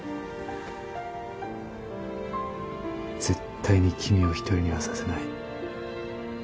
絶対に君を１人にはさせない。